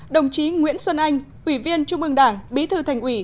đồng chí nguyễn xuân anh ủy viên trung ương đảng bí thư thành ủy